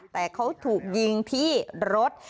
แต่เขาถูกยิงที่รถ